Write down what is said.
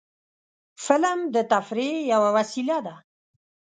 فلم د تفریح یوه وسیله ده